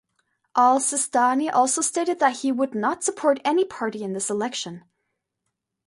Al-Sistani also stated that he would not support any party in this election.